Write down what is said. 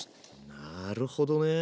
なるほどね。